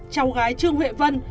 cháu gái trương huệ vân